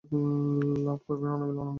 লাভ করবেন অনাবিল আনন্দ।